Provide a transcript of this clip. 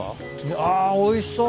あおいしそう。